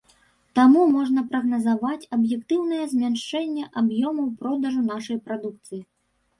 Таму можна прагназаваць аб'ектыўнае змяншэнне аб'ёмаў продажу нашай прадукцыі.